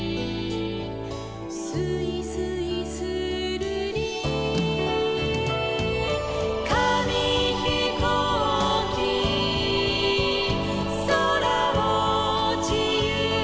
「すいすいするり」「かみひこうき」「そらをじゆうに」